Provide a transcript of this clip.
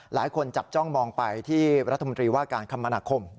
หลายคนจับเจ้องมองไปที่รัฐบาลว่าการคำมณะคม